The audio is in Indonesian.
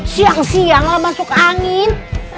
siang siang lah masuk angin